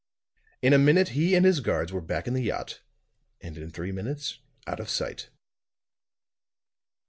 In a minute he and his guards were back in the yacht, and in three minutes out of sight.